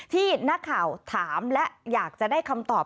ที่นักข่าวถามและอยากจะได้คำตอบ